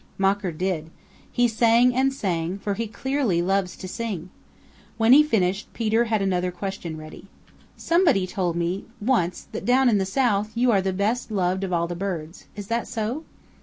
Mocker did. He sang and sang, for he clearly loves to sing. When he finished Peter had another question ready. "Somebody told me once that down in the South you are the best loved of all the birds. Is that so?"